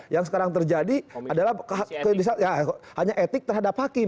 yang sekarang terjadi adalah hanya etik terhadap hakim